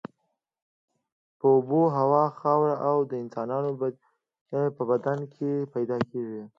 په اوبو، هوا، خاورو او د انسانانو په بدن کې پیدا کیږي.